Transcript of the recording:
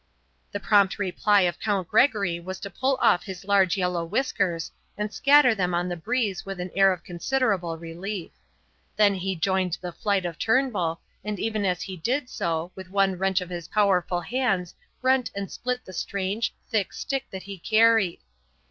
The prompt reply of Count Gregory was to pull off his large yellow whiskers and scatter them on the breeze with an air of considerable relief. Then he joined the flight of Turnbull, and even as he did so, with one wrench of his powerful hands rent and split the strange, thick stick that he carried.